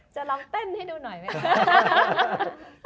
จะลองเต้นให้ดูหน่อยไหมคะ